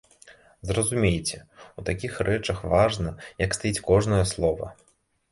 Зразумейце, у такіх рэчах важна, як стаіць кожнае слова.